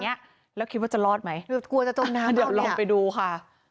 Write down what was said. เนี้ยแล้วคิดว่าจะรอดไหมกลัวจะจมน้ำเดี๋ยวลองไปดูค่ะ